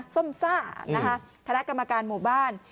ส้มซ่านะคะคณะกรรมการหมู่บ้าน